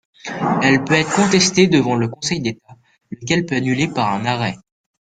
Elle peut être contestée devant le Conseil d'État, lequel peut l'annuler par un arrêt.